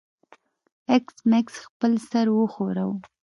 ایس میکس خپل سر وښوراوه